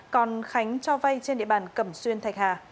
còn khánh cho vay trên địa bàn cẩm xuyên thạch hà